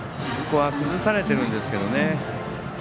ここは崩されているんですけどね。